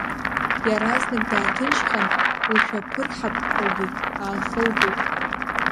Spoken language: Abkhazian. Иаразнак дааҭынчхан, лшәаԥырҳаԥрагьы аалхылгеит.